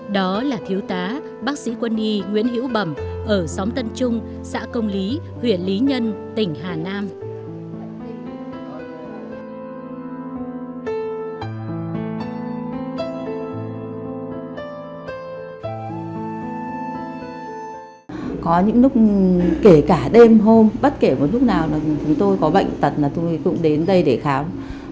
đó là thiếu tá bác sĩ quân y nguyễn hiễu bẩm ở xóm tân trung xã công lý huyện lý nhân tỉnh hà nam